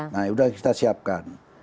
nah sudah kita siapkan